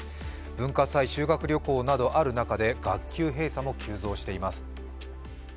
文化祭、修学旅行などある中で学級閉鎖も急増しています。